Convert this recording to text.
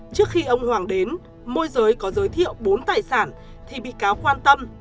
trước khi ông hoàng đến môi giới có giới thiệu bốn tài sản thì bị cáo quan tâm